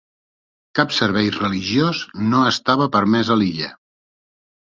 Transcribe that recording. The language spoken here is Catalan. Cap servei religiós no estava permès a l'illa.